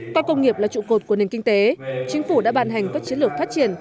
coi công nghiệp là trụ cột của nền kinh tế chính phủ đã bàn hành các chiến lược phát triển